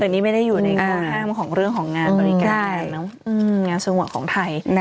แต่นี่ไม่ได้อยู่ในข้อห้ามของเรื่องของงานบริการงานสงวนของไทย